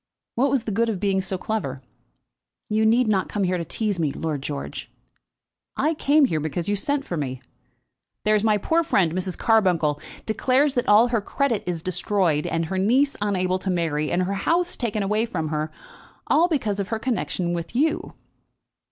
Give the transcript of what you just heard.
What was the good of being so clever?" "You need not come here to tease me, Lord George." "I came here because you sent for me. There's my poor friend, Mrs. Carbuncle, declares that all her credit is destroyed, and her niece unable to marry, and her house taken away from her, all because of her connexion with you."